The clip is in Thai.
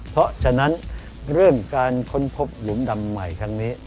เพราะฉะนั้นเรื่องการค้นพบหลุมดำใหม่ครั้งนี้